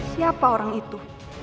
siapa orang itu